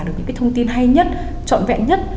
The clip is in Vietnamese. được những cái thông tin hay nhất trọn vẹn nhất